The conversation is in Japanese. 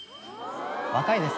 若いですね。